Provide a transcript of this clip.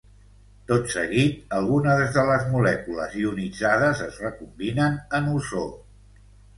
Tot seguit, algunes de les molècules ionitzades es recombinen en ozó.